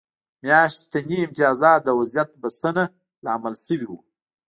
میاشتني امتیازات د وضعیت بسنه لامل شوي وو.